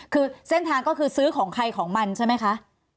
คือเส้นทางก็คือซื้อของใครของมันใช่ไหมคะ